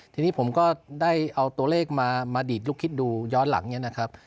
ทีนี้ผมก็ได้เอาตัวเลขมามาดีดลูกคิดดูย้อนหลังเนี่ยนะครับ